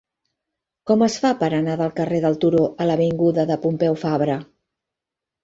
Com es fa per anar del carrer del Turó a l'avinguda de Pompeu Fabra?